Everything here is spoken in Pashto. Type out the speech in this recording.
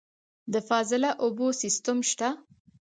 د فاضله اوبو سیستم شته؟